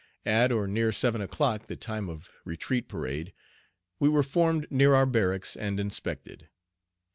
At or near seven o'clock, the time of retreat parade, we were formed near our barracks and inspected.